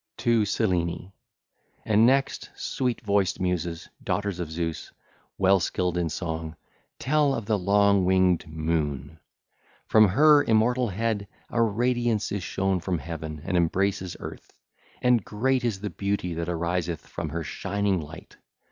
XXXII. TO SELENE (ll. 1 13) And next, sweet voiced Muses, daughters of Zeus, well skilled in song, tell of the long winged 2535 Moon. From her immortal head a radiance is shown from heaven and embraces earth; and great is the beauty that ariseth from her shining light.